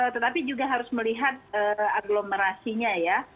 tetapi juga harus melihat agglomerasinya ya